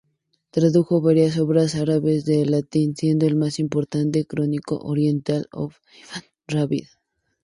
Tradujo varias obras árabes al latín, siendo el más importante "Chronicon Orientale of Ibnar-Rahib".